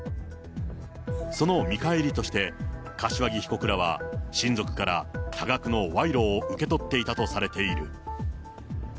その見返りとして、柏木被告らは親族から多額の賄賂を受け取っていたとされている。